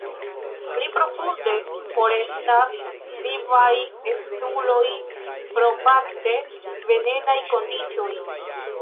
Pli profunde forestas vivaj estuloj pro fakte venenaj kondiĉoj.